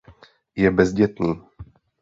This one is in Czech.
Je bezdětný.